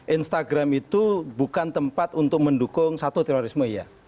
instagram itu bukan tempat untuk mendukung satu terorisme iya